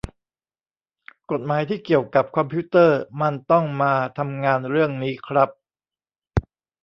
กฎหมายที่เกี่ยวกับคอมพิวเตอร์มันต้องมาทำงานเรื่องนี้ครับ